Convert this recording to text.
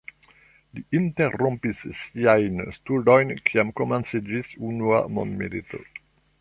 Li interrompis siajn studojn kiam komenciĝis Unua mondmilito.